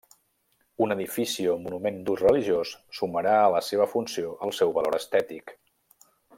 Un edifici o monument d'ús religiós sumarà a la seva funció el seu valor estètic.